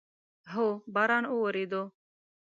هو، باران اوورېدو